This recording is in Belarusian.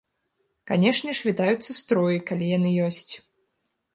Канешне ж, вітаюцца строі, калі яны ёсць.